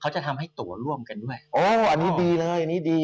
จะทำให้ตัวร่วมกันด้วยโอ้อันนี้ดีเลยอันนี้ดี